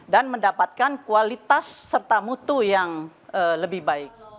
dan mendapatkan kualitas serta mutu yang lebih baik